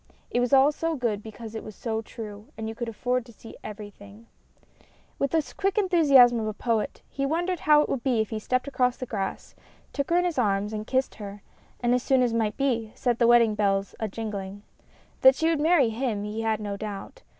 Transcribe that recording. It was all so good because it was so true, and you could afford to see everything. With the quick enthusiasm of a poet, he wondered how it would be if he stepped across the grass, took her in his arms and kissed her, and as soon as might be, set the wedding bells a jingling. 252 STORIES IN GREY That she would marry him he had no doubt.